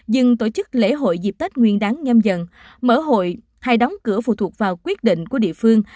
dừng tổ chức lễ hội dịp tết nguyên đáng nhâm dần mở hội hay đóng cửa phụ thuộc vào quyết định của địa phương